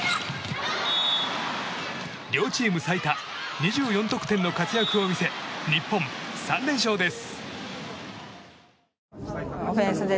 両チーム最多２４得点の活躍を見せ日本、３連勝です。